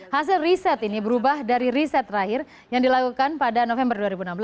hasil riset ini berubah dari riset terakhir yang dilakukan pada november dua ribu enam belas